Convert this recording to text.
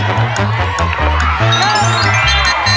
มันน่ากับส่วนที่เหลือ